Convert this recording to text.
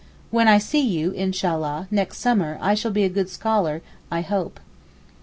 When I see you, Inshallah, next summer I shall be a good scholar, I hope.